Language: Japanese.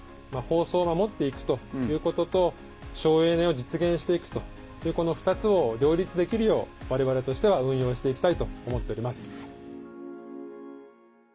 放送を守って行くということと省エネを実現して行くというこの２つを両立できるよう我々としては運用して行きたいと思っております。